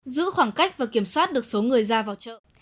giữ khoảng cách và kiểm soát được số người ra vào chợ